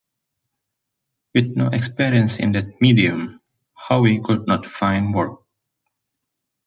With no experience in that medium, Howe could not find work.